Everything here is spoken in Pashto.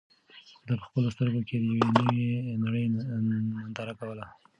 ده په خپلو سترګو کې د یوې نوې نړۍ ننداره کوله.